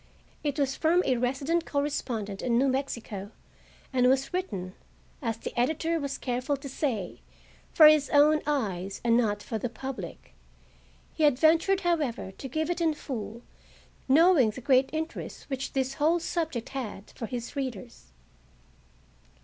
It was from a resident correspondent in New Mexico, and was written, as the editor was careful to say, for his own eyes and not for the public. He had ventured, however, to give It in full, knowing the great interest which this whole subject had for his readers.